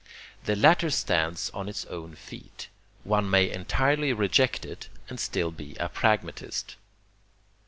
The latter stands on its own feet. One may entirely reject it and still be a pragmatist.